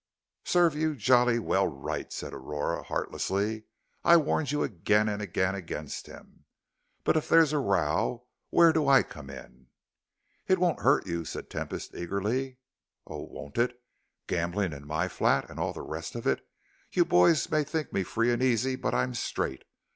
"Serve you jolly well right," said Aurora, heartlessly. "I warned you again and again against him. But if there's a row, where do I come in?" "It won't hurt you," said Tempest, eagerly. "Oh, won't it? Gambling in my flat, and all the rest of it. You boys may think me free and easy but I'm straight.